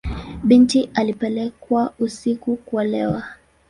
Binti alipelekwa usiku kuolewa.